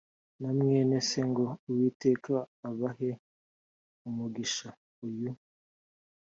na mwene se ngo uwiteka abahe umugisha uyu